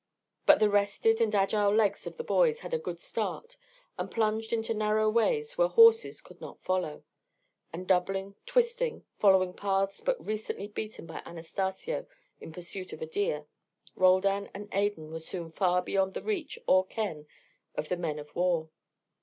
But the rested and agile legs of the boys had a good start, and plunged into narrow ways where horses could not follow; and doubling, twisting, following paths but recently beaten by Anastacio in pursuit of deer, Roldan and Adan were soon far beyond the reach or ken of the men of war.